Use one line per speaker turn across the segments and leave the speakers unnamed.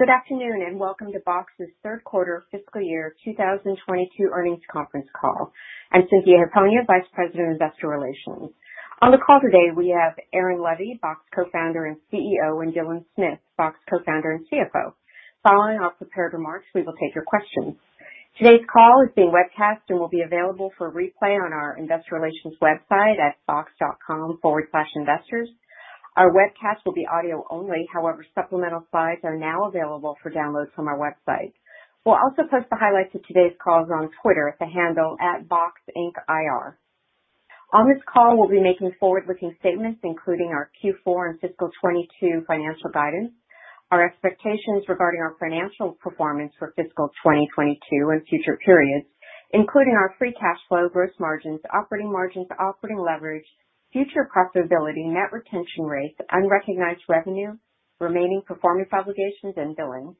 Good afternoon, and welcome to Box's third quarter fiscal year 2022 earnings conference call. I'm Cynthia Hiponia, Vice President of Investor Relations. On the call today, we have Aaron Levie, Box Co-founder and CEO, and Dylan Smith, Box Co-founder and CFO. Following our prepared remarks, we will take your questions. Today's call is being webcast and will be available for replay on our investor relations website at box.com/investors. Our webcast will be audio only. However, supplemental slides are now available for download from our website. We'll also post the highlights of today's calls on Twitter at the handle @BoxIncIR. On this call, we'll be making forward-looking statements, including our Q4 and fiscal 2022 financial guidance, our expectations regarding our financial performance for fiscal 2022 and future periods, including our free cash flow, gross margins, operating margins, operating leverage, future profitability, net retention rates, unrecognized revenue, remaining performance obligations and billings,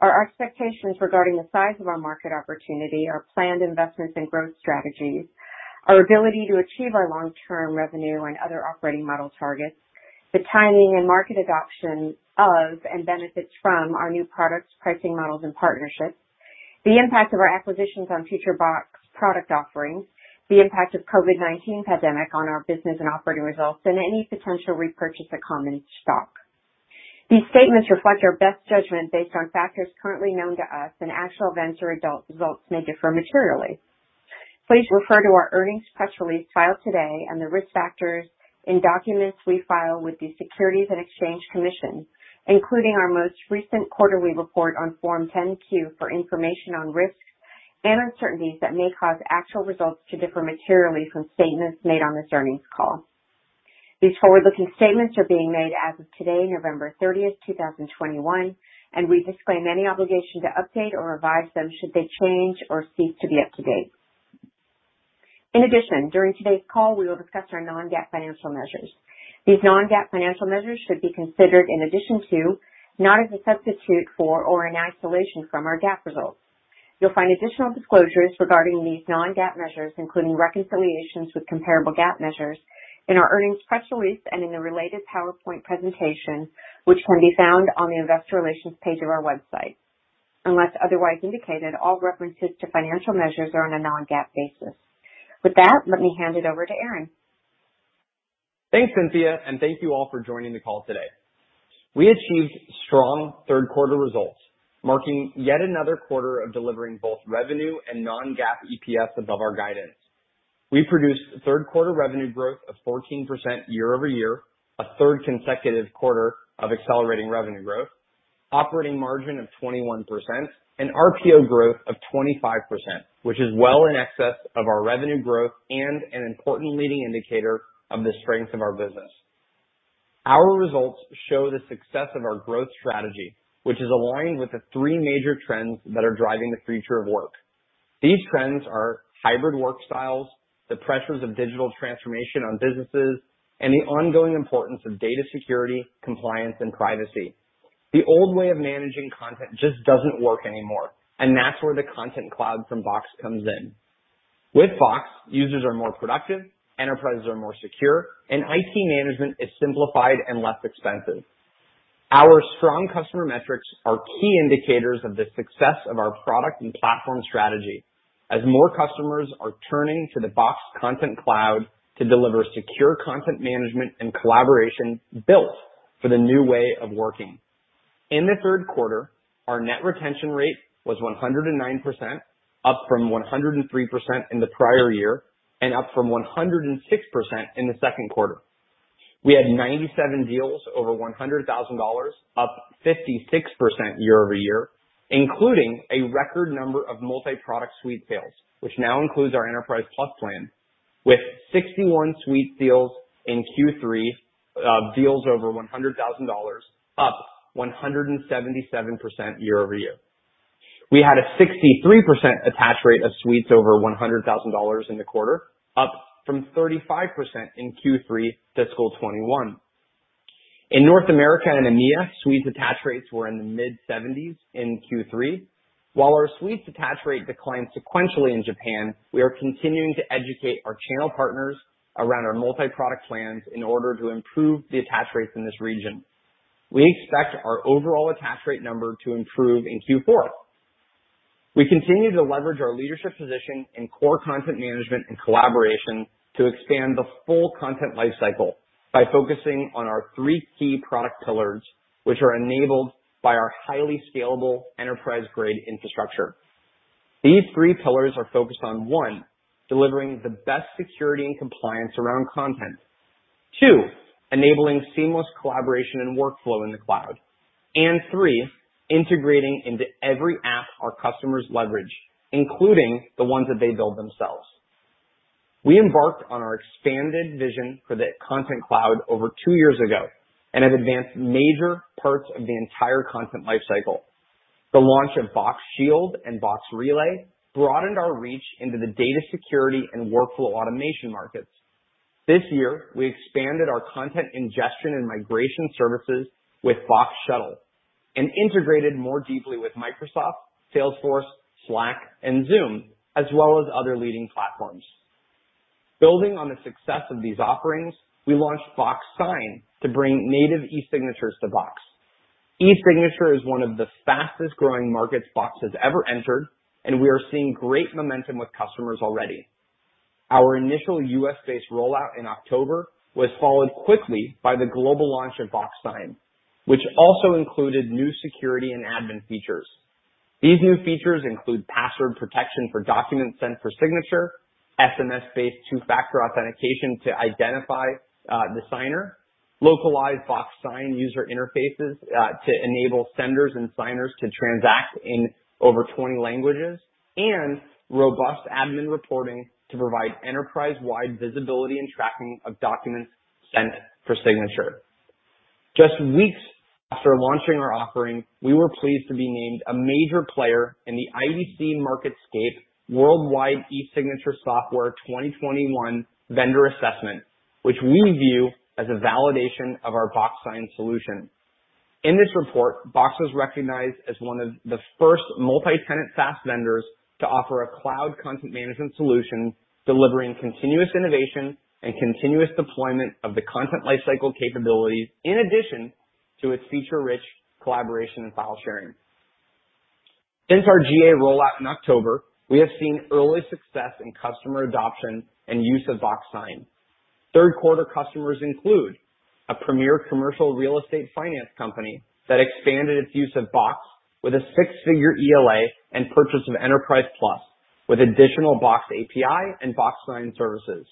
our expectations regarding the size of our market opportunity, our planned investments and growth strategies, our ability to achieve our long-term revenue and other operating model targets, the timing and market adoption of, and benefits from our new products, pricing models and partnerships, the impact of our acquisitions on future Box product offerings, the impact of COVID-19 pandemic on our business and operating results, and any potential repurchase of common stock. These statements reflect our best judgment based on factors currently known to us, and actual events or results may differ materially. Please refer to our earnings press release filed today and the risk factors in documents we file with the Securities and Exchange Commission, including our most recent quarterly report on Form 10-Q, for information on risks and uncertainties that may cause actual results to differ materially from statements made on this earnings call. These forward-looking statements are being made as of today, November 30th, 2021, and we disclaim any obligation to update or revise them should they change or cease to be up to date. In addition, during today's call, we will discuss our non-GAAP financial measures. These non-GAAP financial measures should be considered in addition to, not as a substitute for or in isolation from our GAAP results. You'll find additional disclosures regarding these non-GAAP measures, including reconciliations with comparable GAAP measures, in our earnings press release and in the related PowerPoint presentation, which can be found on the Investor Relations page of our website. Unless otherwise indicated, all references to financial measures are on a non-GAAP basis. With that, let me hand it over to Aaron.
Thanks, Cynthia, and thank you all for joining the call today. We achieved strong third quarter results, marking yet another quarter of delivering both revenue and non-GAAP EPS above our guidance. We produced third quarter revenue growth of 14% year-over-year, a third consecutive quarter of accelerating revenue growth, operating margin of 21%, and RPO growth of 25%, which is well in excess of our revenue growth and an important leading indicator of the strength of our business. Our results show the success of our growth strategy, which is aligned with the three major trends that are driving the future of work. These trends are hybrid work styles, the pressures of digital transformation on businesses, and the ongoing importance of data security, compliance and privacy. The old way of managing content just doesn't work anymore, and that's where the Content Cloud from Box comes in. With Box, users are more productive, enterprises are more secure, and IT management is simplified and less expensive. Our strong customer metrics are key indicators of the success of our product and platform strategy as more customers are turning to the Box Content Cloud to deliver secure content management and collaboration built for the new way of working. In the third quarter, our net retention rate was 109%, up from 103% in the prior year and up from 106% in the second quarter. We had 97 deals over $100,000, up 56% year-over-year, including a record number of multi-product suite sales, which now includes our Enterprise Plus plan, with 61 suite deals in Q3, deals over $100,000, up 177% year-over-year. We had a 63% attach rate of suites over $100,000 in the quarter, up from 35% in Q3 FY 2021. In North America and EMEA, suites attach rates were in the mid-70s in Q3. While our suites attach rate declined sequentially in Japan, we are continuing to educate our channel partners around our multi-product plans in order to improve the attach rates in this region. We expect our overall attach rate number to improve in Q4. We continue to leverage our leadership position in core content management and collaboration to expand the full content lifecycle by focusing on our three key product pillars, which are enabled by our highly scalable enterprise-grade infrastructure. These three pillars are focused on, one, delivering the best security and compliance around content. Two, enabling seamless collaboration and workflow in the cloud. Three, integrating into every app our customers leverage, including the ones that they build themselves. We embarked on our expanded vision for the Content Cloud over two years ago and have advanced major parts of the entire content lifecycle. The launch of Box Shield and Box Relay broadened our reach into the data security and workflow automation markets. This year, we expanded our content ingestion and migration services with Box Shuttle and integrated more deeply with Microsoft, Salesforce, Slack and Zoom, as well as other leading platforms. Building on the success of these offerings, we launched Box Sign to bring native e-signatures to Box. E-signature is one of the fastest-growing markets Box has ever entered, and we are seeing great momentum with customers already. Our initial U.S.-based rollout in October was followed quickly by the global launch of Box Sign, which also included new security and admin features. These new features include password protection for documents sent for signature, SMS-based two-factor authentication to identify the signer, localized Box Sign user interfaces to enable senders and signers to transact in over 20 languages, and robust admin reporting to provide enterprise-wide visibility and tracking of documents sent for signature. Just weeks after launching our offering, we were pleased to be named a major player in the IDC MarketScape Worldwide eSignature Software 2021 Vendor Assessment, which we view as a validation of our Box Sign solution. In this report, Box was recognized as one of the first multi-tenant SaaS vendors to offer a cloud content management solution, delivering continuous innovation and continuous deployment of the content lifecycle capabilities, in addition to its feature-rich collaboration and file sharing. Since our GA rollout in October, we have seen early success in customer adoption and use of Box Sign. Third quarter customers include a premier commercial real estate finance company that expanded its use of Box with a six-figure ELA and purchase of Enterprise Plus with additional Box API and Box Sign services.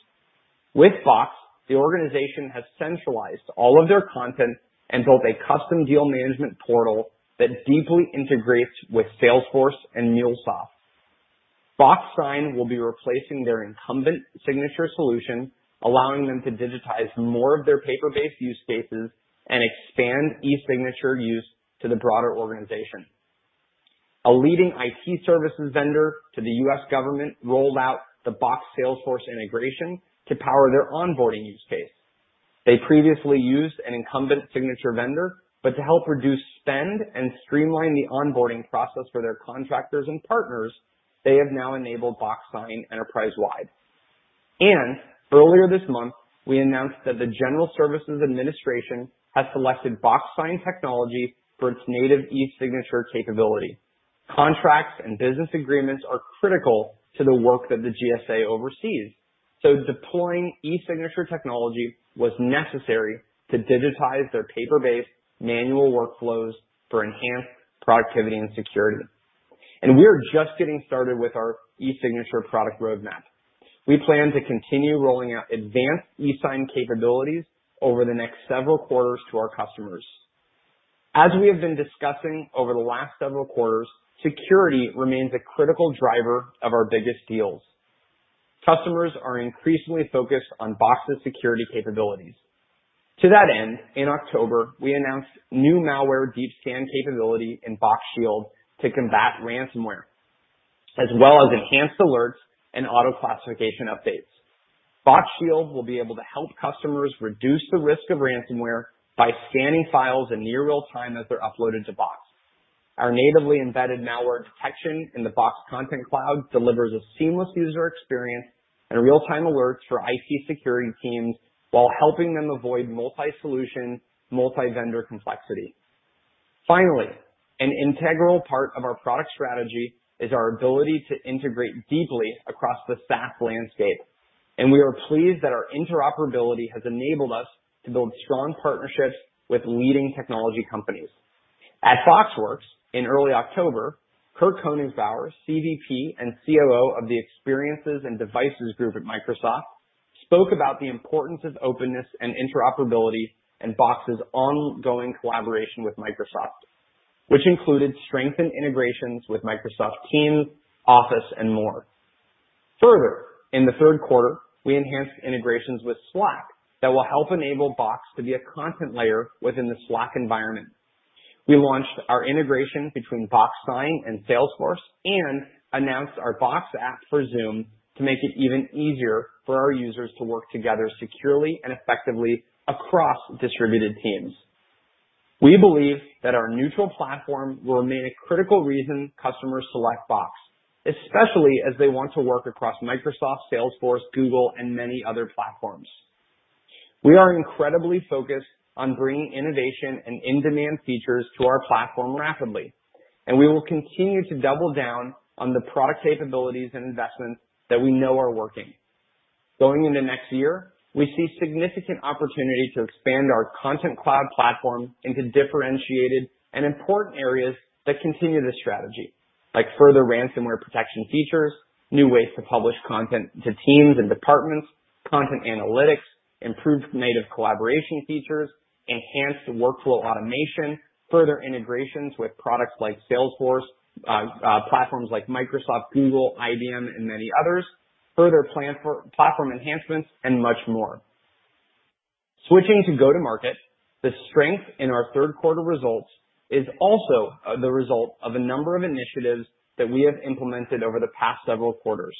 With Box, the organization has centralized all of their content and built a custom deal management portal that deeply integrates with Salesforce and MuleSoft. Box Sign will be replacing their incumbent signature solution, allowing them to digitize more of their paper-based use cases and expand e-signature use to the broader organization. A leading IT services vendor to the U.S. government rolled out the Box Salesforce integration to power their onboarding use case. They previously used an incumbent signature vendor, but to help reduce spend and streamline the onboarding process for their contractors and partners, they have now enabled Box Sign enterprise-wide. Earlier this month, we announced that the General Services Administration has selected Box Sign technology for its native e-signature capability. Contracts and business agreements are critical to the work that the GSA oversees, so deploying e-signature technology was necessary to digitize their paper-based manual workflows for enhanced productivity and security. We are just getting started with our e-signature product roadmap. We plan to continue rolling out advanced e-sign capabilities over the next several quarters to our customers. As we have been discussing over the last several quarters, security remains a critical driver of our biggest deals. Customers are increasingly focused on Box's security capabilities. To that end, in October, we announced new malware deep scan capability in Box Shield to combat ransomware, as well as enhanced alerts and auto-classification updates. Box Shield will be able to help customers reduce the risk of ransomware by scanning files in near real time as they're uploaded to Box. Our natively embedded malware detection in the Box Content Cloud delivers a seamless user experience and real-time alerts for IT security teams while helping them avoid multi-solution, multi-vendor complexity. Finally, an integral part of our product strategy is our ability to integrate deeply across the SaaS landscape, and we are pleased that our interoperability has enabled us to build strong partnerships with leading technology companies. At BoxWorks in early October, Kirk Koenigsbauer, CVP and COO of the Experiences and Devices Group at Microsoft, spoke about the importance of openness and interoperability and Box's ongoing collaboration with Microsoft, which included strengthened integrations with Microsoft Teams, Office, and more. Further, in the third quarter, we enhanced integrations with Slack that will help enable Box to be a content layer within the Slack environment. We launched our integration between Box Sign and Salesforce and announced our Box app for Zoom to make it even easier for our users to work together securely and effectively across distributed teams. We believe that our neutral platform will remain a critical reason customers select Box, especially as they want to work across Microsoft, Salesforce, Google, and many other platforms. We are incredibly focused on bringing innovation and in-demand features to our platform rapidly, and we will continue to double down on the product capabilities and investments that we know are working. Going into next year, we see significant opportunity to expand our Content Cloud platform into differentiated and important areas that continue this strategy, like further ransomware protection features, new ways to publish content to teams and departments, content analytics, improved native collaboration features, enhanced workflow automation, further integrations with products like Salesforce, platforms like Microsoft, Google, IBM, and many others, further plan for platform enhancements, and much more. Switching to go-to-market, the strength in our third quarter results is also the result of a number of initiatives that we have implemented over the past several quarters.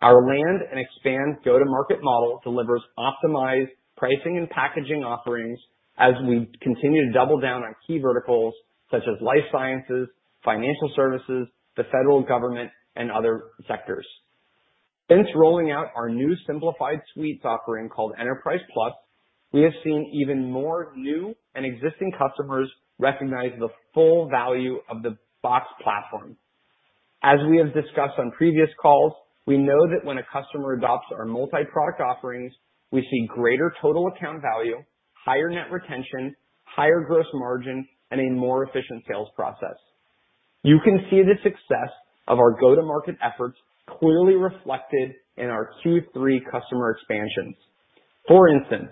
Our land and expand go-to-market model delivers optimized pricing and packaging offerings as we continue to double down on key verticals such as life sciences, financial services, the federal government, and other sectors. Since rolling out our new simplified suites offering called Enterprise Plus, we have seen even more new and existing customers recognize the full value of the Box platform. As we have discussed on previous calls, we know that when a customer adopts our multi-product offerings, we see greater total account value, higher net retention, higher gross margin, and a more efficient sales process. You can see the success of our go-to-market efforts clearly reflected in our Q3 customer expansions. For instance,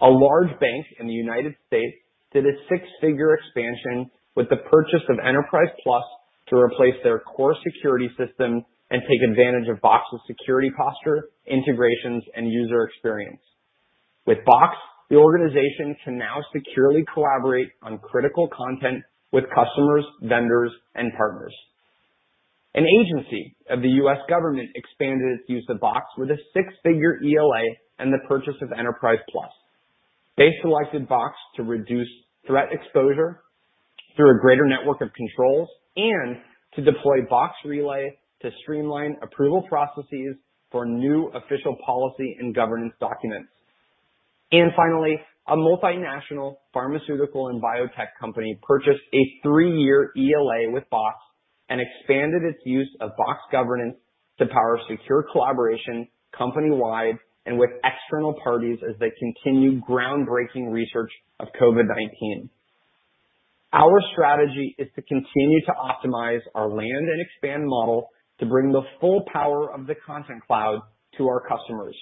a large bank in the United States did a six-figure expansion with the purchase of Enterprise Plus to replace their core security system and take advantage of Box's security posture, integrations, and user experience. With Box, the organization can now securely collaborate on critical content with customers, vendors, and partners. An agency of the U.S. government expanded its use of Box with a six-figure ELA and the purchase of Enterprise Plus. They selected Box to reduce threat exposure through a greater network of controls, and to deploy Box Relay to streamline approval processes for new official policy and governance documents. Finally, a multinational pharmaceutical and biotech company purchased a three-year ELA with Box and expanded its use of Box Governance to power secure collaboration company-wide and with external parties as they continue groundbreaking research of COVID-19. Our strategy is to continue to optimize our land and expand model to bring the full power of the Content Cloud to our customers,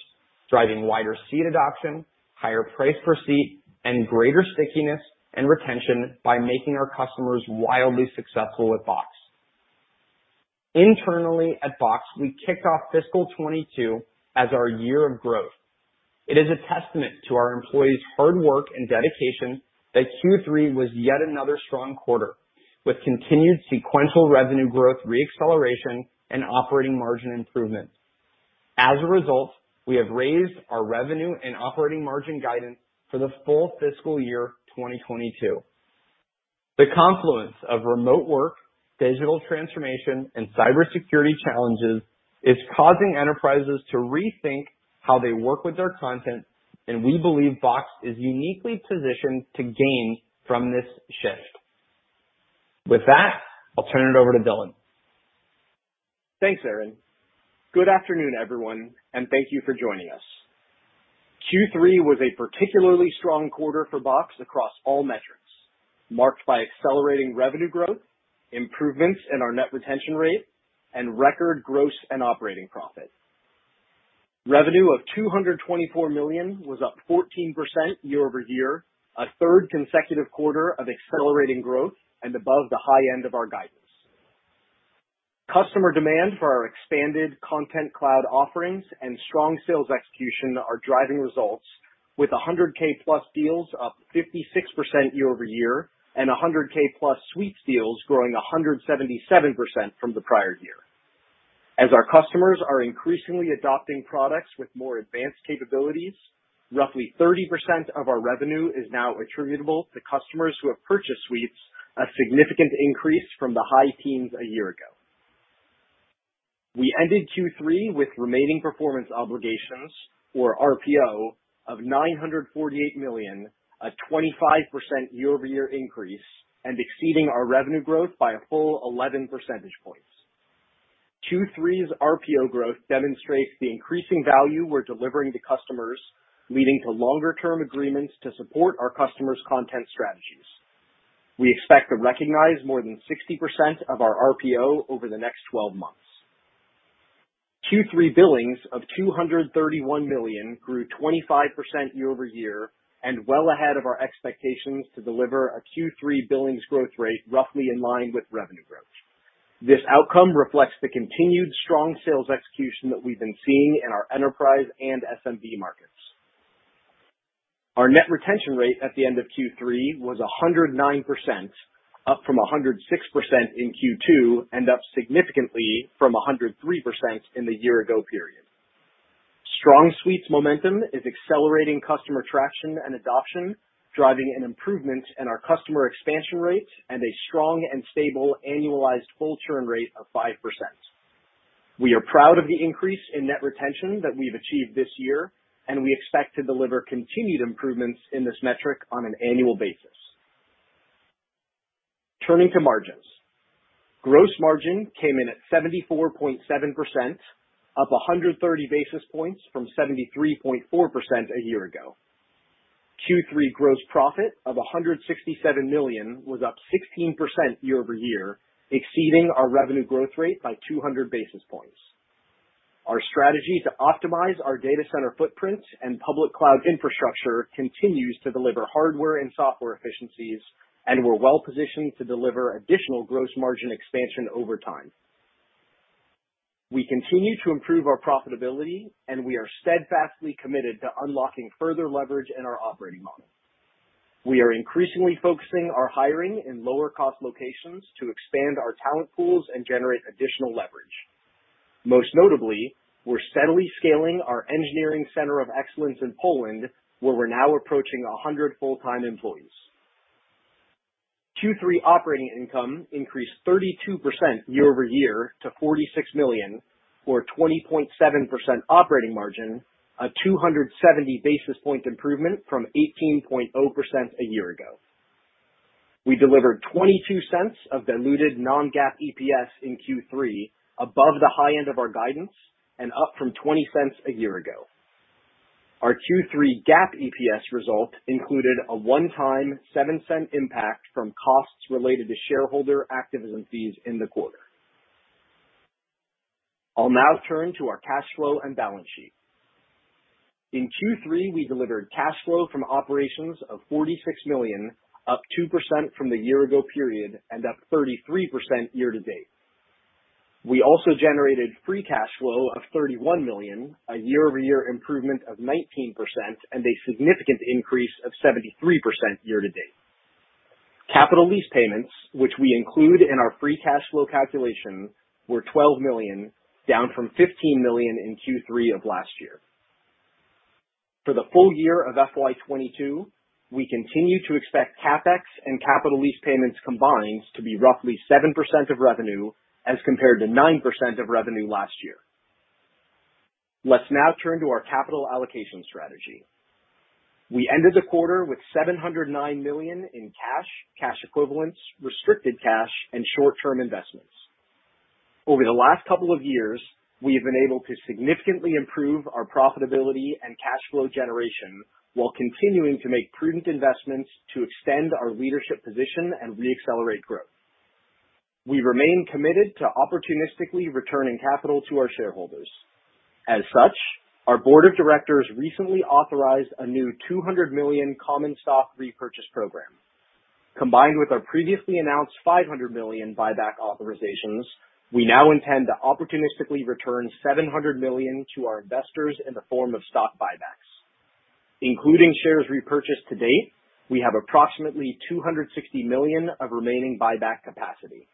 driving wider seat adoption, higher price per seat, and greater stickiness and retention by making our customers wildly successful with Box. Internally at Box, we kicked off fiscal 2022 as our year of growth. It is a testament to our employees' hard work and dedication that Q3 was yet another strong quarter, with continued sequential revenue growth re-acceleration and operating margin improvements. As a result, we have raised our revenue and operating margin guidance for the full fiscal year 2022. The confluence of remote work, digital transformation, and cybersecurity challenges is causing enterprises to rethink how they work with their content, and we believe Box is uniquely positioned to gain from this shift. With that, I'll turn it over to Dylan.
Thanks, Aaron. Good afternoon, everyone, and thank you for joining us. Q3 was a particularly strong quarter for Box across all metrics, marked by accelerating revenue growth, improvements in our net retention rate, and record gross and operating profit. Revenue of $224 million was up 14% year-over-year, a third consecutive quarter of accelerating growth, and above the high end of our guidance. Customer demand for our expanded Content Cloud offerings and strong sales execution are driving results with 100K+ deals up 56% year-over-year, and 100K+ suites deals growing 177% from the prior year. As our customers are increasingly adopting products with more advanced capabilities, roughly 30% of our revenue is now attributable to customers who have purchased suites, a significant increase from the high teens a year ago. We ended Q3 with remaining performance obligations, or RPO, of $948 million, a 25% year-over-year increase, and exceeding our revenue growth by a full 11 percentage points. Q3's RPO growth demonstrates the increasing value we're delivering to customers, leading to longer term agreements to support our customers' content strategies. We expect to recognize more than 60% of our RPO over the next 12 months. Q3 billings of $231 million grew 25% year-over-year and well ahead of our expectations to deliver a Q3 billings growth rate roughly in line with revenue growth. This outcome reflects the continued strong sales execution that we've been seeing in our enterprise and SMB markets. Our net retention rate at the end of Q3 was 109%, up from 106% in Q2, and up significantly from 103% in the year ago period. Strong suites momentum is accelerating customer traction and adoption, driving an improvement in our customer expansion rate and a strong and stable annualized full churn rate of 5%. We are proud of the increase in net retention that we've achieved this year, and we expect to deliver continued improvements in this metric on an annual basis. Turning to margins. Gross margin came in at 74.7%, up 130 basis points from 73.4% a year ago. Q3 gross profit of $167 million was up 16% year-over-year, exceeding our revenue growth rate by 200 basis points. Our strategy to optimize our data center footprint and public cloud infrastructure continues to deliver hardware and software efficiencies, and we're well positioned to deliver additional gross margin expansion over time. We continue to improve our profitability, and we are steadfastly committed to unlocking further leverage in our operating model. We are increasingly focusing our hiring in lower cost locations to expand our talent pools and generate additional leverage. Most notably, we're steadily scaling our engineering center of excellence in Poland, where we're now approaching 100 full-time employees. Q3 operating income increased 32% year-over-year to $46 million, or 20.7% operating margin, a 270 basis point improvement from 18.0% a year ago. We delivered $0.22 of diluted non-GAAP EPS in Q3, above the high end of our guidance and up from $0.20 a year ago. Our Q3 GAAP EPS result included a one-time $0.07 impact from costs related to shareholder activism fees in the quarter. I'll now turn to our cash flow and balance sheet. In Q3, we delivered cash flow from operations of $46 million, up 2% from the year ago period and up 33% year to date. We also generated free cash flow of $31 million, a year-over-year improvement of 19% and a significant increase of 73% year to date. Capital lease payments, which we include in our free cash flow calculation, were $12 million, down from $15 million in Q3 of last year. For the full year of FY 2022, we continue to expect CapEx and capital lease payments combined to be roughly 7% of revenue as compared to 9% of revenue last year. Let's now turn to our capital allocation strategy. We ended the quarter with $709 million in cash equivalents, restricted cash, and short-term investments. Over the last couple of years, we have been able to significantly improve our profitability and cash flow generation while continuing to make prudent investments to extend our leadership position and re-accelerate growth. We remain committed to opportunistically returning capital to our shareholders. As such, our board of directors recently authorized a new $200 million common stock repurchase program. Combined with our previously announced $500 million buyback authorizations, we now intend to opportunistically return $700 million to our investors in the form of stock buybacks. Including shares repurchased to date, we have approximately $260 million of remaining buyback capacity.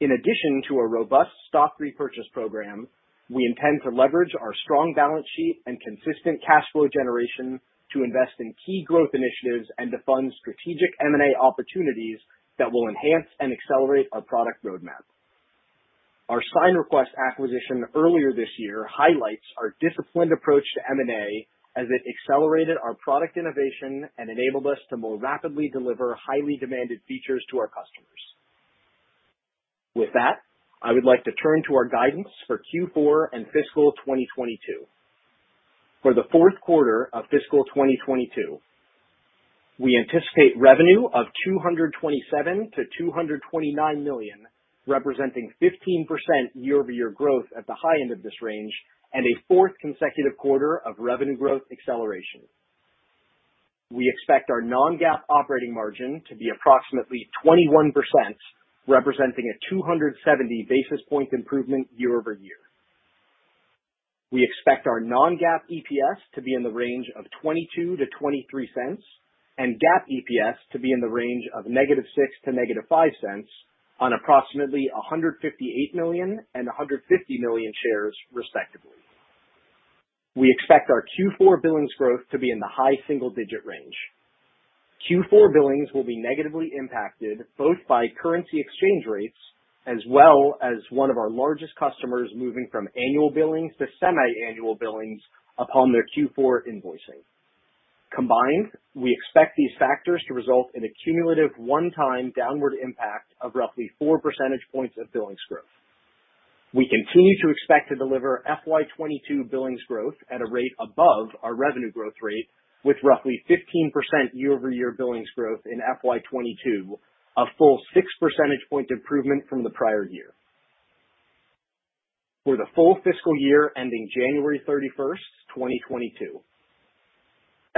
In addition to a robust stock repurchase program, we intend to leverage our strong balance sheet and consistent cash flow generation to invest in key growth initiatives and to fund strategic M&A opportunities that will enhance and accelerate our product roadmap. Our SignRequest acquisition earlier this year highlights our disciplined approach to M&A as it accelerated our product innovation and enabled us to more rapidly deliver highly demanded features to our customers. With that, I would like to turn to our guidance for Q4 and fiscal 2022. For the fourth quarter of fiscal 2022, we anticipate revenue of $227 million-$229 million, representing 15% year-over-year growth at the high end of this range and a fourth consecutive quarter of revenue growth acceleration. We expect our non-GAAP operating margin to be approximately 21%, representing a 270 basis point improvement year-over-year. We expect our non-GAAP EPS to be in the range of $0.22-$0.23 and GAAP EPS to be in the range of $-0.06 to $-0.05 on approximately 158 million and 150 million shares, respectively. We expect our Q4 billings growth to be in the high single-digit range. Q4 billings will be negatively impacted both by currency exchange rates as well as one of our largest customers moving from annual billings to semi-annual billings upon their Q4 invoicing. Combined, we expect these factors to result in a cumulative one-time downward impact of roughly 4 percentage points of billings growth. We continue to expect to deliver FY 2022 billings growth at a rate above our revenue growth rate, with roughly 15% year-over-year billings growth in FY 2022, a full six percentage point improvement from the prior year. For the full fiscal year ending January 31st, 2022,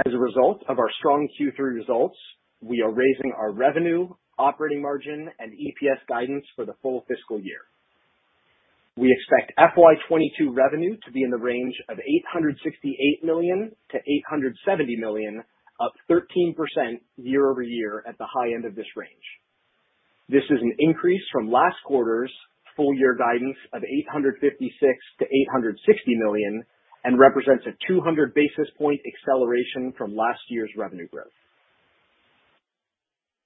as a result of our strong Q3 results, we are raising our revenue, operating margin, and EPS guidance for the full fiscal year. We expect FY 2022 revenue to be in the range of $868 million-$870 million, up 13% year-over-year at the high end of this range. This is an increase from last quarter's full year guidance of $856 million-$860 million and represents a 200 basis point acceleration from last year's revenue growth.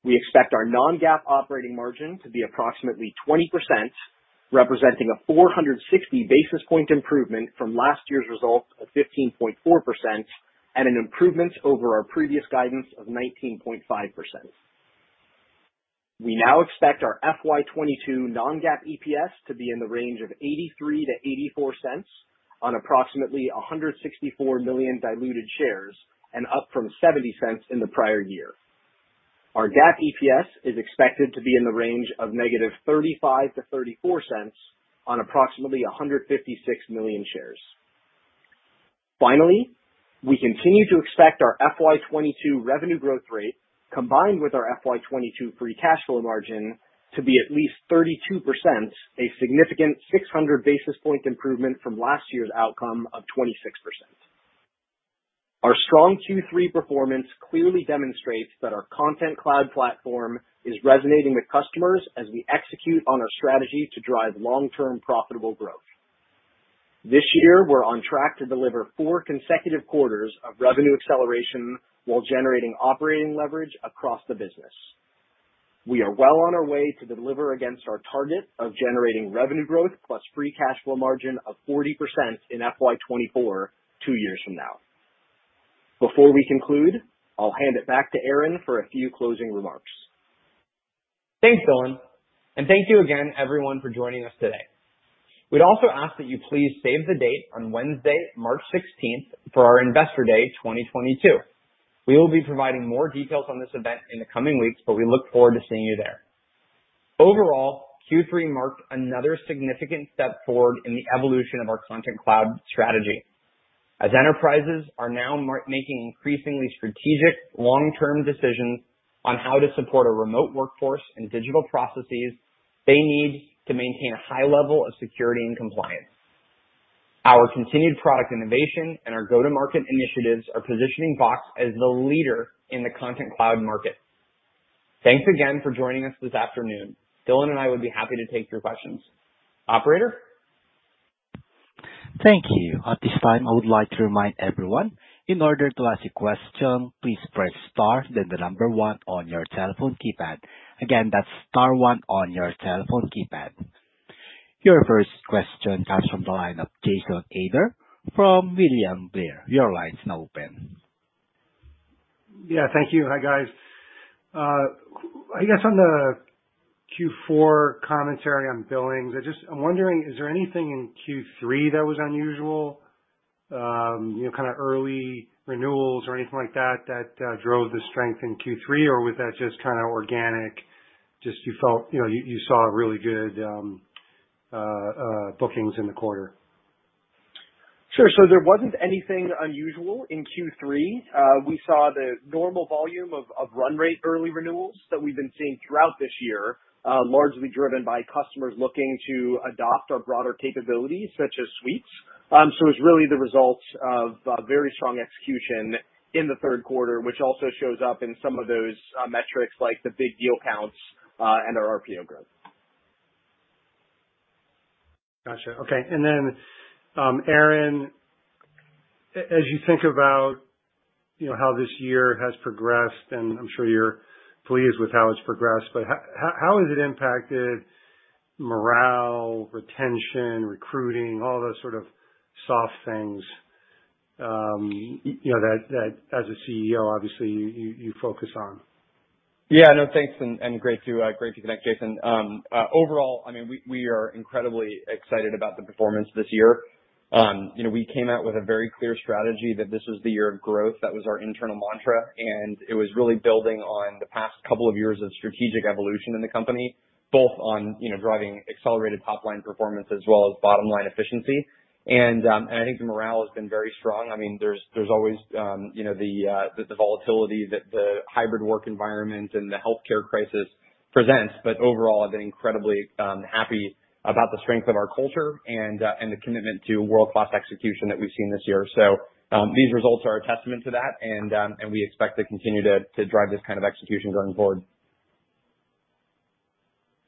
We expect our non-GAAP operating margin to be approximately 20%, representing a 460 basis point improvement from last year's result of 15.4% and an improvement over our previous guidance of 19.5%. We now expect our FY 2022 non-GAAP EPS to be in the range of $0.83-$0.84 on approximately 164 million diluted shares, and up from 70 cents in the prior year. Our GAAP EPS is expected to be in the range of $-0.35 to $-0.34 on approximately 156 million shares. We continue to expect our FY 2022 revenue growth rate, combined with our FY 2022 free cash flow margin, to be at least 32%, a significant 600 basis point improvement from last year's outcome of 26%. Our strong Q3 performance clearly demonstrates that our Content Cloud platform is resonating with customers as we execute on our strategy to drive long-term profitable growth. This year, we're on track to deliver four consecutive quarters of revenue acceleration while generating operating leverage across the business. We are well on our way to deliver against our target of generating revenue growth plus free cash flow margin of 40% in FY 2024, two years from now. Before we conclude, I'll hand it back to Aaron for a few closing remarks.
Thanks, Dylan, and thank you again everyone for joining us today. We'd also ask that you please save the date on Wednesday, March 16th, for our Investor Day 2022. We will be providing more details on this event in the coming weeks, but we look forward to seeing you there. Overall, Q3 marked another significant step forward in the evolution of our Content Cloud strategy. As enterprises are now making increasingly strategic long-term decisions on how to support a remote workforce and digital processes, they need to maintain a high level of security and compliance. Our continued product innovation and our go-to-market initiatives are positioning Box as the leader in the Content Cloud market. Thanks again for joining us this afternoon. Dylan and I would be happy to take your questions. Operator?
Thank you. At this time, I would like to remind everyone, in order to ask a question, please press star then the number one on your telephone keypad. Again, that's star one on your telephone keypad. Your first question comes from the line of Jason Ader from William Blair. Your line's now open.
Yeah, thank you. Hi, guys. I guess on the Q4 commentary on billings, I'm wondering, is there anything in Q3 that was unusual, you know, kinda early renewals or anything like that drove the strength in Q3? Or was that just kinda organic, just you felt, you know, you saw really good bookings in the quarter?
Sure. There wasn't anything unusual in Q3. We saw the normal volume of run rate early renewals that we've been seeing throughout this year, largely driven by customers looking to adopt our broader capabilities such as Suites. It's really the result of very strong execution in the third quarter, which also shows up in some of those metrics, like the big deal counts, and our RPO growth.
Gotcha. Okay. Aaron, as you think about, you know, how this year has progressed, and I'm sure you're pleased with how it's progressed, but how has it impacted morale, retention, recruiting, all those sort of soft things, you know, that as a CEO, obviously, you focus on?
Yeah. No, thanks, and great to connect, Jason. Overall, I mean, we are incredibly excited about the performance this year. You know, we came out with a very clear strategy that this was the year of growth. That was our internal mantra, and it was really building on the past couple of years of strategic evolution in the company, both, you know, driving accelerated top-line performance as well as bottom-line efficiency. I think the morale has been very strong. I mean, there's always, you know, the volatility that the hybrid work environment and the healthcare crisis presents. Overall, I've been incredibly happy about the strength of our culture and the commitment to world-class execution that we've seen this year. These results are a testament to that and we expect to continue to drive this kind of execution going forward.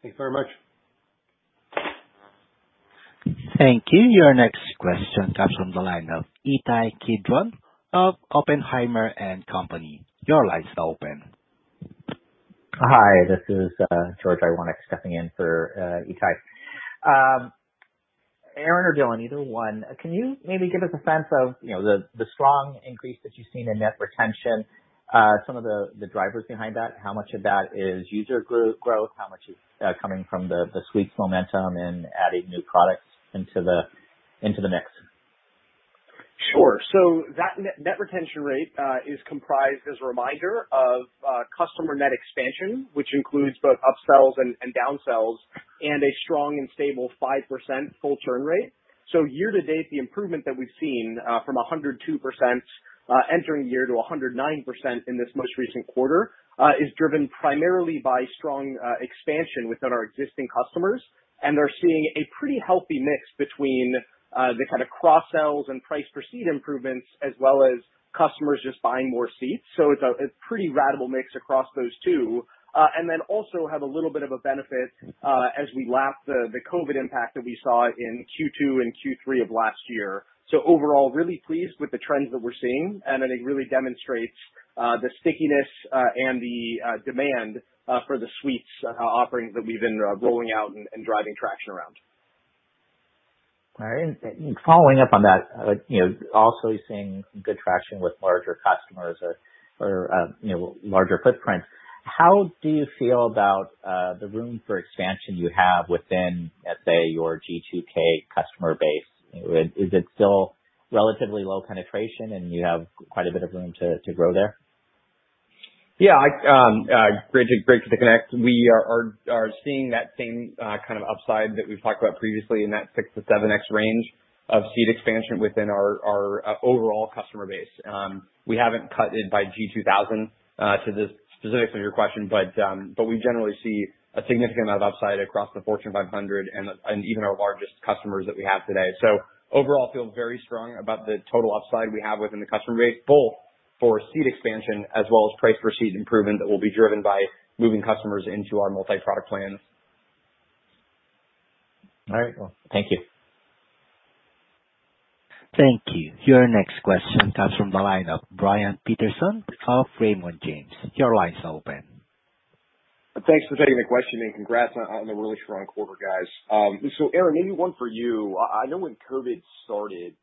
Thanks very much.
Thank you. Your next question comes from the line of Ittai Kidron of Oppenheimer & Co. Your line's now open.
Hi, this is George stepping in for Ittai. Aaron or Dylan, either one, can you maybe give us a sense of, you know, the strong increase that you've seen in net retention, some of the drivers behind that? How much of that is user growth? How much is coming from the Suites momentum and adding new products into the mix?
Sure. That net-net retention rate is comprised, as a reminder, of customer net expansion, which includes both upsells and downsells and a strong and stable 5% full churn rate. Year to date, the improvement that we've seen from 102% entering year to 109% in this most recent quarter is driven primarily by strong expansion within our existing customers. They're seeing a pretty healthy mix between the kinda cross-sells and price per seat improvements, as well as customers just buying more seats. It's pretty ratable mix across those two. We then also have a little bit of a benefit as we lap the COVID impact that we saw in Q2 and Q3 of last year. Overall, really pleased with the trends that we're seeing, and I think really demonstrates the stickiness and the demand for the suites offerings that we've been rolling out and driving traction around.
All right. Following up on that, also seeing good traction with larger customers or larger footprints. How do you feel about the room for expansion you have within, let's say, your G2K customer base? Is it still relatively low penetration, and you have quite a bit of room to grow there?
Yeah. Great to connect. We are seeing that same kind of upside that we've talked about previously in that 6x-7x range of seat expansion within our overall customer base. We haven't cut it by G2000 to the specifics of your question, but we generally see a significant amount of upside across the Fortune 500 and even our largest customers that we have today. Overall feel very strong about the total upside we have within the customer base. For seat expansion as well as price per seat improvement that will be driven by moving customers into our multi-product plans.
All right. Well, thank you.
Thank you. Your next question comes from the line of Brian Peterson of Raymond James. Your line's open.
Thanks for taking the question, and congrats on the really strong quarter, guys. Aaron, maybe one for you. I know when COVID started,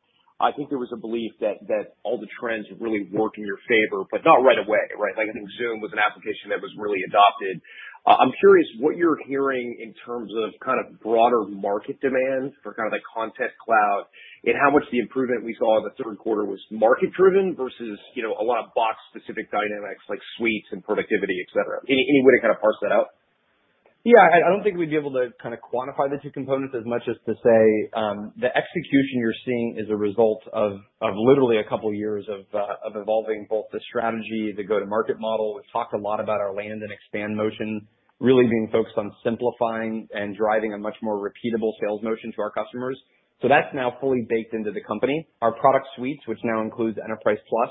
I think there was a belief that all the trends really work in your favor, but not right away, right? Like, I think Zoom was an application that was really adopted. I'm curious what you're hearing in terms of kind of broader market demand for kind of like Content Cloud and how much the improvement we saw in the third quarter was market driven versus, you know, a lot of Box specific dynamics like suites and productivity, et cetera. Any way to kind of parse that out?
Yeah, I don't think we'd be able to kind of quantify the two components as much as to say, the execution you're seeing is a result of literally a couple of years of evolving both the strategy, the go-to-market model. We've talked a lot about our land and expand motion really being focused on simplifying and driving a much more repeatable sales motion to our customers. That's now fully baked into the company. Our product suites, which now includes Enterprise Plus,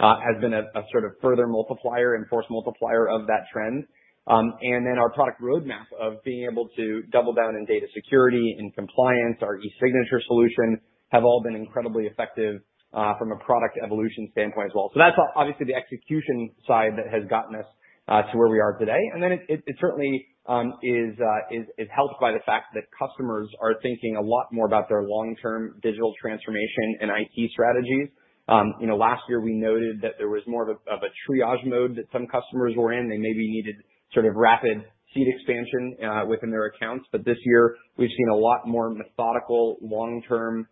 has been a sort of further multiplier and force multiplier of that trend. And then our product roadmap of being able to double down in data security and compliance, our e-signature solution have all been incredibly effective from a product evolution standpoint as well. That's obviously the execution side that has gotten us to where we are today. It certainly is helped by the fact that customers are thinking a lot more about their long-term digital transformation and IT strategies. You know, last year we noted that there was more of a triage mode that some customers were in. They maybe needed sort of rapid seat expansion within their accounts. This year, we've seen a lot more methodical, long-term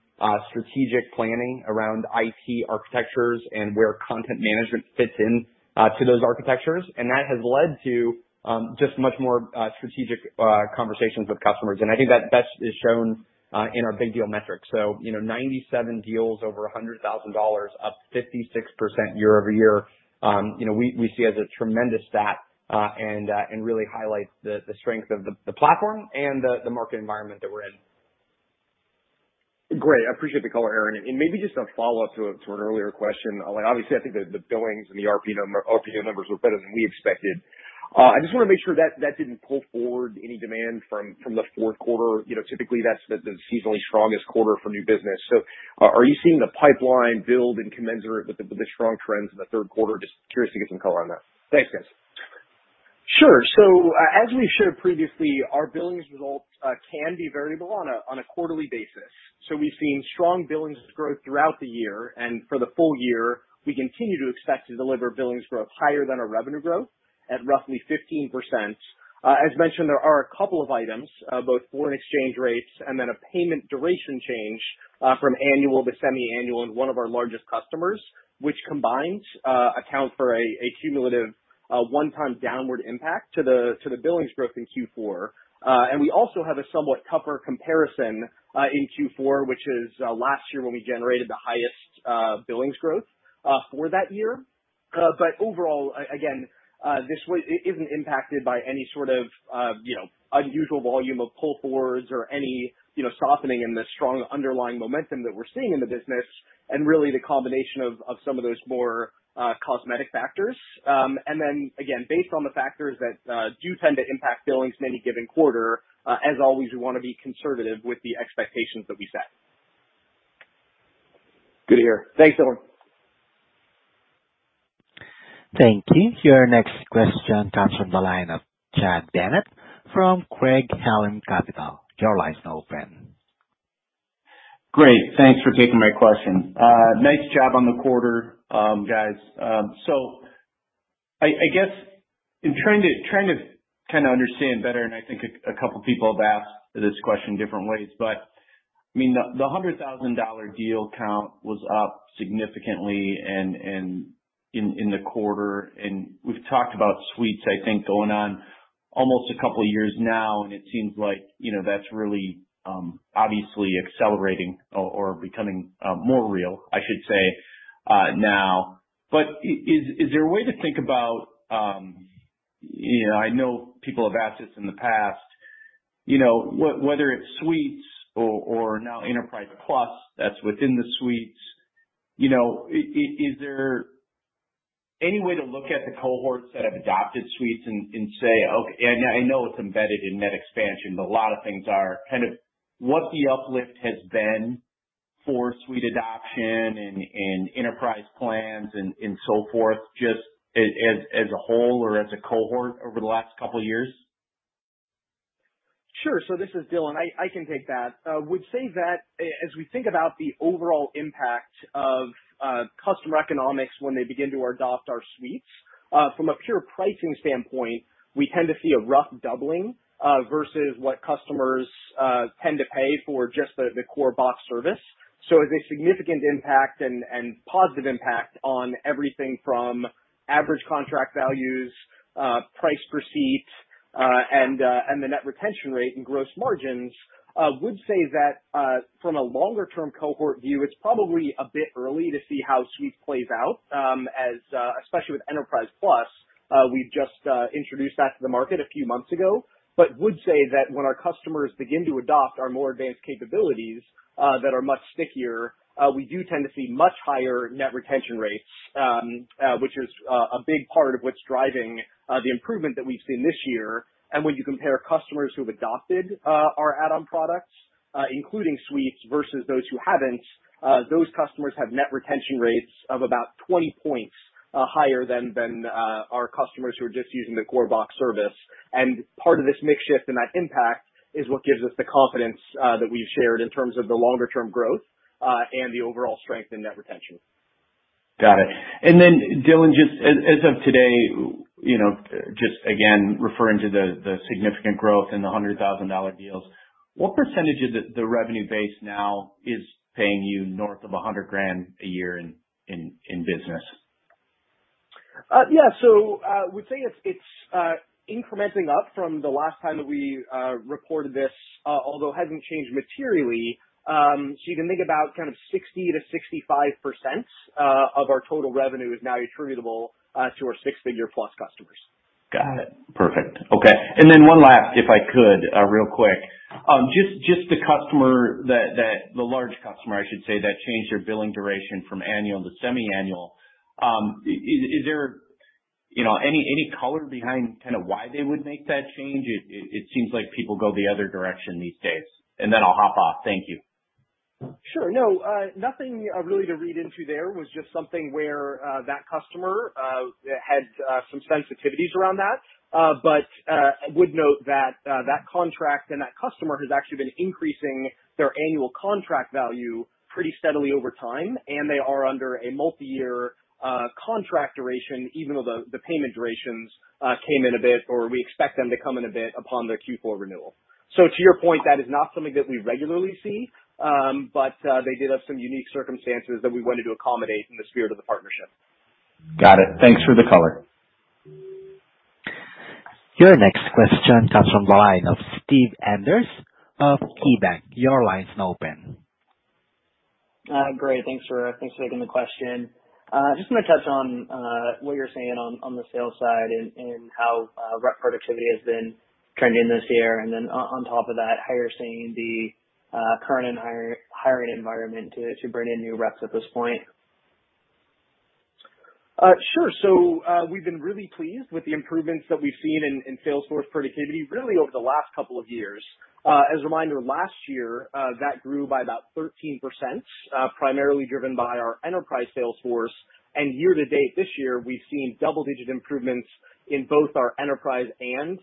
strategic planning around IT architectures and where content management fits in to those architectures. That has led to just much more strategic conversations with customers. I think that best is shown in our big deal metrics. You know, 97 deals over $100,000, up 56% year-over-year. You know, we see it as a tremendous stat and it really highlights the strength of the platform and the market environment that we're in.
Great. I appreciate the color, Aaron. Maybe just a follow-up to an earlier question. Like, obviously I think the billings and the RPO numbers were better than we expected. I just wanna make sure that didn't pull forward any demand from the fourth quarter. You know, typically that's the seasonally strongest quarter for new business. Are you seeing the pipeline build in commensurate with the strong trends in the third quarter? Just curious to get some color on that. Thanks, guys.
Sure. As we shared previously, our billings results can be variable on a quarterly basis. We've seen strong billings growth throughout the year, and for the full year, we continue to expect to deliver billings growth higher than our revenue growth at roughly 15%. As mentioned, there are a couple of items, both foreign exchange rates and then a payment duration change from annual to semi-annual in one of our largest customers, which combined account for a cumulative one-time downward impact to the billings growth in Q4. We also have a somewhat tougher comparison in Q4, which is last year when we generated the highest billings growth for that year. Overall, again, this isn't impacted by any sort of, you know, unusual volume of pull forwards or any, you know, softening in the strong underlying momentum that we're seeing in the business and really the combination of some of those more cosmetic factors. Again, based on the factors that do tend to impact billings in any given quarter, as always, we wanna be conservative with the expectations that we set.
Good to hear. Thanks, everyone.
Thank you. Your next question comes from the line of Chad Bennett from Craig-Hallum Capital. Your line's open.
Great. Thanks for taking my question. Nice job on the quarter, guys. I guess in trying to kind of understand better, and I think a couple people have asked this question different ways, but I mean, the $100,000-dollar deal count was up significantly and in the quarter, and we've talked about suites, I think, going on almost a couple years now, and it seems like, you know, that's really obviously accelerating or becoming more real, I should say, now. Is there a way to think about, you know, I know people have asked this in the past, you know, whether it's suites or now Enterprise Plus that's within the suites, you know, is there any way to look at the cohorts that have adopted suites and say, okay. I know it's embedded in net expansion, but a lot of things are. Kind of what the uplift has been for suite adoption and enterprise plans and so forth, just as a whole or as a cohort over the last couple years.
Sure. This is Dylan. I can take that. I would say that as we think about the overall impact of customer economics when they begin to adopt our suites, from a pure pricing standpoint, we tend to see a rough doubling versus what customers tend to pay for just the core Box service. It's a significant impact and positive impact on everything from average contract values, price per seat, and the net retention rate and gross margins. I would say that from a longer term cohort view, it's probably a bit early to see how Suites plays out, as especially with Enterprise Plus, we've just introduced that to the market a few months ago. I would say that when our customers begin to adopt our more advanced capabilities that are much stickier, we do tend to see much higher net retention rates, which is a big part of what's driving the improvement that we've seen this year. When you compare customers who have adopted our add-on products, including Suites versus those who haven't, those customers have net retention rates of about 20 points higher than our customers who are just using the core Box service. Part of this mix shift and that impact is what gives us the confidence that we've shared in terms of the longer term growth and the overall strength in net retention.
Got it. Dylan, just as of today, you know, just again, referring to the significant growth in the $100,000-dollar deals, what percentage of the revenue base now is paying you north of $100,000 a year in business?
I would say it's incrementing up from the last time that we reported this, although it hasn't changed materially. You can think about kind of 60%-65% of our total revenue is now attributable to our six-figure plus customers.
Got it. Perfect. Okay. One last, if I could, real quick. Just the customer, the large customer, I should say, that changed their billing duration from annual to semi-annual, is there any color behind why they would make that change? It seems like people go the other direction these days. I'll hop off. Thank you.
Sure. No, nothing really to read into there. It was just something where that customer had some sensitivities around that. I would note that that contract and that customer has actually been increasing their annual contract value pretty steadily over time, and they are under a multiyear contract duration, even though the payment durations came in a bit, or we expect them to come in a bit upon their Q4 renewal. To your point, that is not something that we regularly see, but they did have some unique circumstances that we wanted to accommodate in the spirit of the partnership.
Got it. Thanks for the color.
Your next question comes from the line of Steve Enders of KeyBanc. Your line's now open.
Great. Thanks for taking the question. Just wanna touch on what you're saying on the sales side and how rep productivity has been trending this year. On top of that, how you're seeing the current and hiring environment to bring in new reps at this point.
We've been really pleased with the improvements that we've seen in sales force productivity really over the last couple of years. As a reminder, last year, that grew by about 13%, primarily driven by our enterprise sales force. Year to date this year, we've seen double-digit improvements in both our enterprise and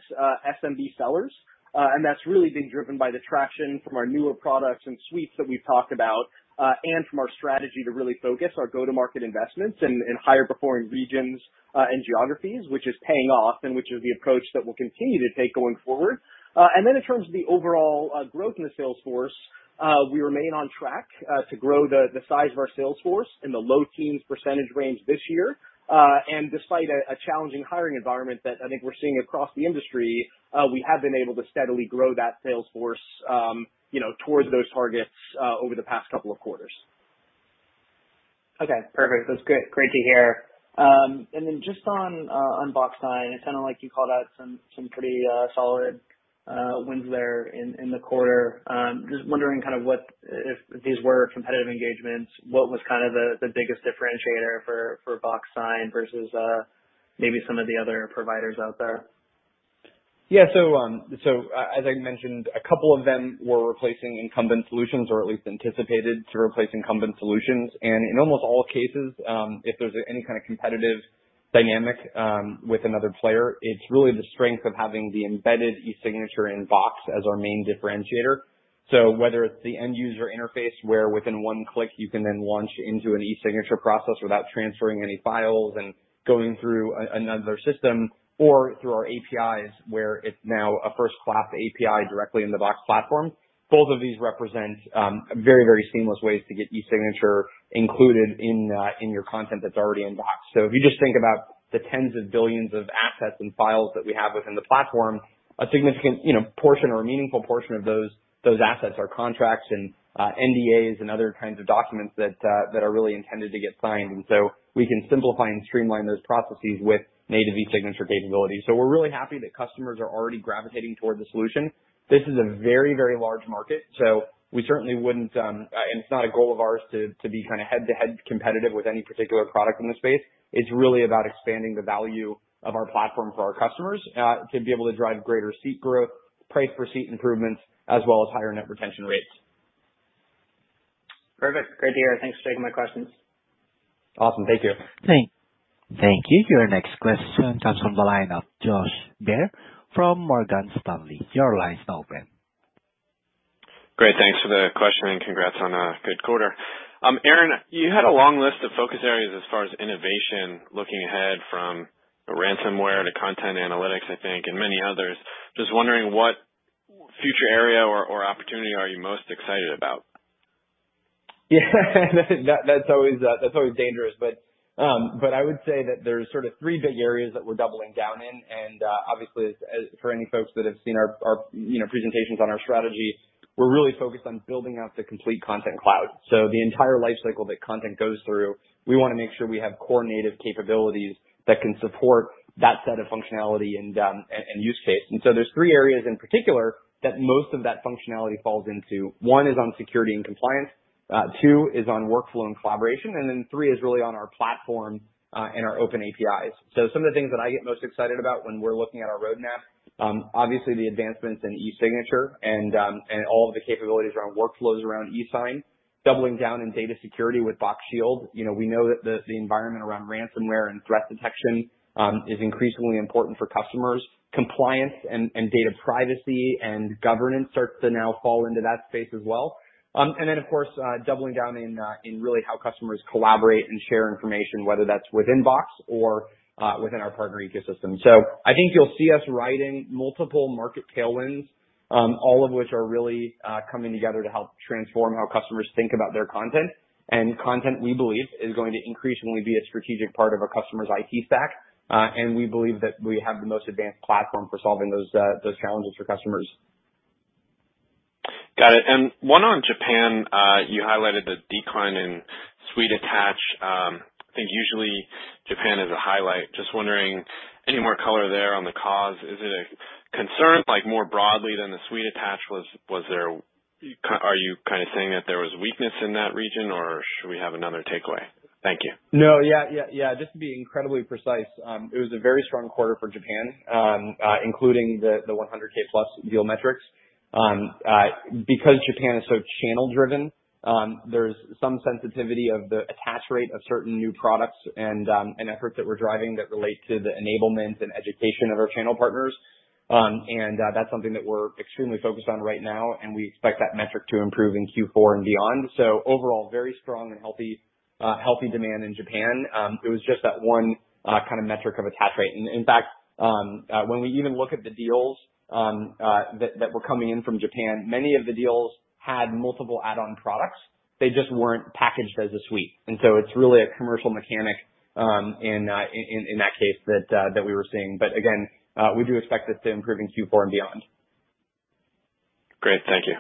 SMB sellers. That's really been driven by the traction from our newer products and suites that we've talked about, and from our strategy to really focus our go-to-market investments in higher performing regions and geographies, which is paying off and which is the approach that we'll continue to take going forward. In terms of the overall growth in the sales force, we remain on track to grow the size of our sales force in the low teens % range this year. Despite a challenging hiring environment that I think we're seeing across the industry, we have been able to steadily grow that sales force, you know, towards those targets over the past couple of quarters.
Okay. Perfect. That's good. Great to hear. Just on Box Sign, it sounded like you called out some pretty solid wins there in the quarter. Just wondering kind of what, if these were competitive engagements, what was kind of the biggest differentiator for Box Sign versus maybe some of the other providers out there?
Yeah. As I mentioned, a couple of them were replacing incumbent solutions or at least anticipated to replace incumbent solutions. In almost all cases, if there's any kind of competitive dynamic with another player, it's really the strength of having the embedded e-signature in Box as our main differentiator. Whether it's the end user interface, where within one click you can then launch into an e-signature process without transferring any files and going through another system, or through our APIs, where it's now a first-class API directly in the Box platform. Both of these represent very seamless ways to get e-signature included in your content that's already in Box. If you just think about the tens of billions of assets and files that we have within the platform, a significant, you know, portion or a meaningful portion of those assets are contracts and NDAs and other kinds of documents that that are really intended to get signed. We can simplify and streamline those processes with native e-signature capabilities. We're really happy that customers are already gravitating toward the solution. This is a very, very large market, so we certainly wouldn't, and it's not a goal of ours to be kinda head-to-head competitive with any particular product in the space. It's really about expanding the value of our platform for our customers to be able to drive greater seat growth, price per seat improvements, as well as higher net retention rates.
Perfect. Great to hear. Thanks for taking my questions.
Awesome. Thank you.
Thank you. Your next question comes from the line of Josh Baer from Morgan Stanley. Your line's now open.
Great. Thanks for the question, and congrats on a good quarter. Aaron, you had a long list of focus areas as far as innovation looking ahead from ransomware to content analytics, I think, and many others. Just wondering what future area or opportunity are you most excited about?
Yeah. That's always dangerous. I would say that there's sort of three big areas that we're doubling down in. Obviously, as for any folks that have seen our, you know, presentations on our strategy, we're really focused on building out the complete Content Cloud. The entire life cycle that content goes through, we wanna make sure we have core native capabilities that can support that set of functionality and use case. There's three areas in particular that most of that functionality falls into. One is on security and compliance. Two is on workflow and collaboration, and then three is really on our platform and our open APIs. Some of the things that I get most excited about when we're looking at our roadmap, obviously the advancements in e-signature and all of the capabilities around workflows around e-sign, doubling down in data security with Box Shield. You know, we know that the environment around ransomware and threat detection is increasingly important for customers. Compliance and data privacy and governance starts to now fall into that space as well. Then of course, doubling down in really how customers collaborate and share information, whether that's within Box or within our partner ecosystem. I think you'll see us riding multiple market tailwinds, all of which are really coming together to help transform how customers think about their content. Content, we believe, is going to increasingly be a strategic part of our customers' IT stack. We believe that we have the most advanced platform for solving those challenges for customers.
Got it. One on Japan, you highlighted the decline in suite attach. I think usually Japan is a highlight. Just wondering any more color there on the cause. Is it a concern, like more broadly than the suite attach? Are you kinda saying that there was weakness in that region, or should we have another takeaway? Thank you.
No. Yeah, yeah. Just to be incredibly precise, it was a very strong quarter for Japan, including the 100K+ deal metrics. Because Japan is so channel-driven, there's some sensitivity of the attach rate of certain new products and efforts that we're driving that relate to the enablement and education of our channel partners. That's something that we're extremely focused on right now, and we expect that metric to improve in Q4 and beyond. Overall, very strong and healthy demand in Japan. It was just that one kind of metric of attach rate. In fact, when we even look at the deals that were coming in from Japan, many of the deals had multiple add-on products. They just weren't packaged as a suite. It's really a commercial mechanic in that case that we were seeing. Again, we do expect this to improve in Q4 and beyond.
Great. Thank you.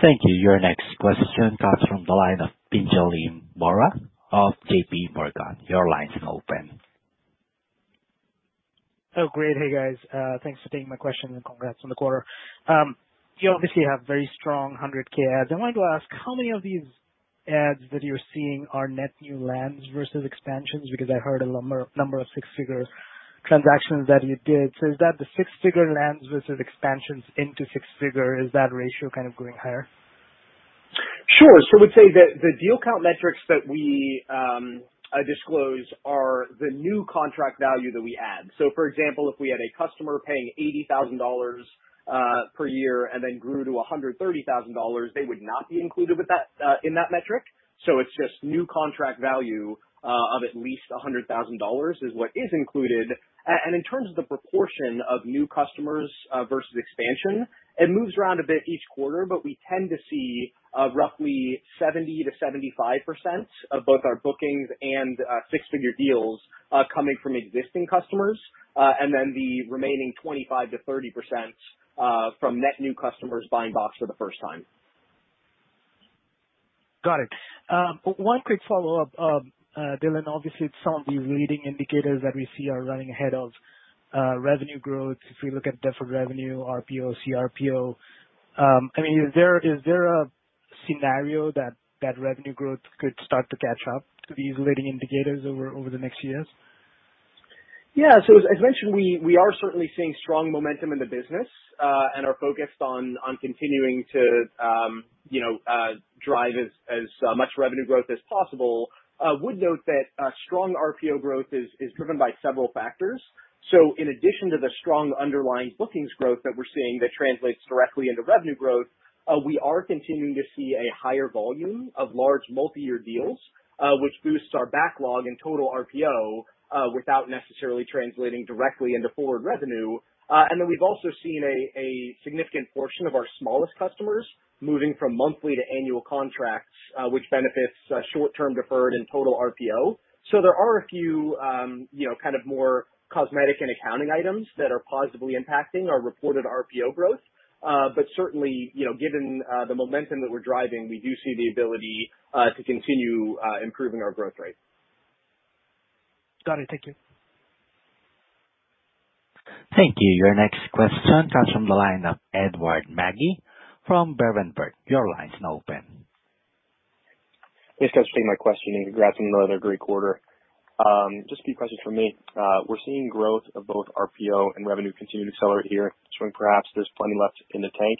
Thank you. Your next question comes from the line of Pinjalim Bora of J.P. Morgan. Your line is now open.
Oh, great. Hey, guys. Thanks for taking my question, and congrats on the quarter. You obviously have very strong 100K adds. I wanted to ask, how many of these adds that you're seeing are net new lands versus expansions, because I heard a number of six-figure transactions that you did. Is that the six-figure lands versus expansions into six-figure, is that ratio kind of going higher?
Sure. I would say the deal count metrics that we disclose are the new contract value that we add. For example, if we had a customer paying $80,000 per year and then grew to $130,000, they would not be included with that in that metric. It's just new contract value of at least $100,000 is what is included. In terms of the proportion of new customers versus expansion, it moves around a bit each quarter, but we tend to see roughly 70%-75% of both our bookings and six-figure deals coming from existing customers, and then the remaining 25%-30% from net new customers buying Box for the first time.
Got it. One quick follow-up, Dylan. Obviously, some of the leading indicators that we see are running ahead of revenue growth. If we look at deferred revenue, RPO, CRPO. I mean, is there a scenario that revenue growth could start to catch up to these leading indicators over the next years?
Yeah. As mentioned, we are certainly seeing strong momentum in the business, and are focused on continuing to, you know, drive as much revenue growth as possible. Would note that strong RPO growth is driven by several factors. In addition to the strong underlying bookings growth that we're seeing that translates directly into revenue growth, we are continuing to see a higher volume of large multi-year deals, which boosts our backlog and total RPO, without necessarily translating directly into forward revenue. We've also seen a significant portion of our smallest customers moving from monthly to annual contracts, which benefits short-term deferred and total RPO. There are a few, you know, kind of more cosmetic and accounting items that are positively impacting our reported RPO growth. Certainly, you know, given the momentum that we're driving, we do see the ability to continue improving our growth rate.
Got it. Thank you.
Thank you. Your next question comes from the line of Edward Magi from Berenberg. Your line's now open.
Thanks, guys, for taking my question, and congrats on another great quarter. Just a few questions from me. We're seeing growth of both RPO and revenue continue to accelerate here. Perhaps there's plenty left in the tank.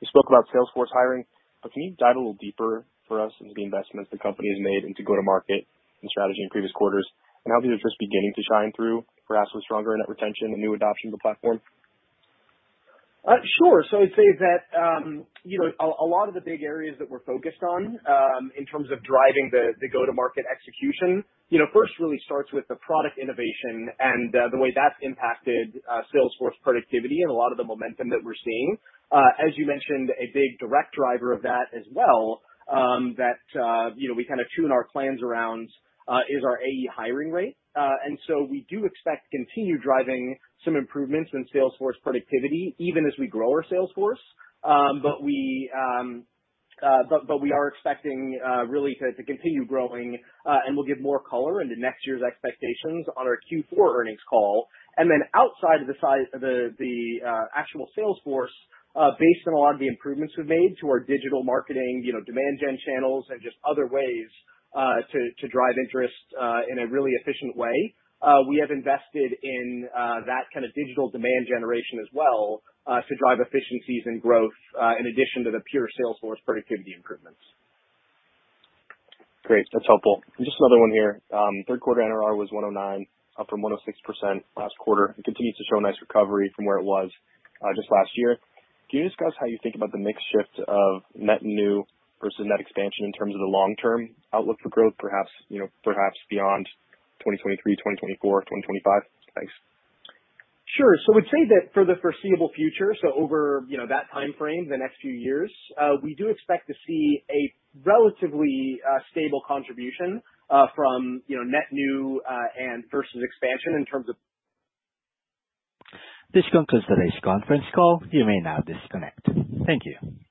You spoke about sales force hiring, but can you dive a little deeper for us into the investments the company has made in go-to-market and strategy in previous quarters? How these are just beginning to shine through, perhaps with stronger net retention and new adoption of the platform?
Sure. I'd say that, you know, a lot of the big areas that we're focused on, in terms of driving the go-to-market execution, you know, first really starts with the product innovation and the way that's impacted sales force productivity and a lot of the momentum that we're seeing. As you mentioned, a big direct driver of that as well, that you know, we kinda tune our plans around, is our AE hiring rate. We do expect to continue driving some improvements in sales force productivity even as we grow our sales force. But we are expecting really to continue growing, and we'll give more color into next year's expectations on our Q4 earnings call. Outside of the size of the actual sales force, based on a lot of the improvements we've made to our digital marketing, you know, demand gen channels and just other ways to drive interest in a really efficient way, we have invested in that kind of digital demand generation as well to drive efficiencies and growth in addition to the pure sales force productivity improvements.
Great. That's helpful. Just another one here. Third quarter NRR was 109%, up from 106% last quarter. It continues to show a nice recovery from where it was just last year. Can you discuss how you think about the mix shift of net new versus net expansion in terms of the long-term outlook for growth, perhaps, you know, perhaps beyond 2023, 2024, 2025? Thanks.
Sure. I would say that for the foreseeable future, so over you know that timeframe, the next few years, we do expect to see a relatively stable contribution from you know net new and versus expansion in terms of
This concludes today's conference call. You may now disconnect. Thank you.